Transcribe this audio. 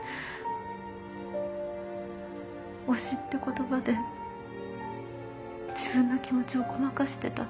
推しって言葉で自分の気持ちをごまかしてた。